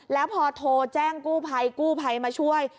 แล้วพอโทรแจ้งกู้ภัยกู้ภัยมาช่วย